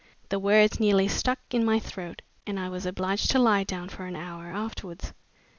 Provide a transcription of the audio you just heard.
The words nearly stuck in my throat and I was obliged to lie down for an hour afterwards."